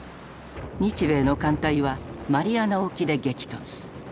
日米の艦隊はマリアナ沖で激突。